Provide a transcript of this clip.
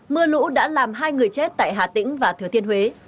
mưa lũ đã làm hai người chết tại hà tĩnh và thừa thiên huế